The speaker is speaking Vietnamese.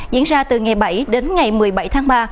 diễn ra từ ngày bảy đến ngày một mươi bảy tháng ba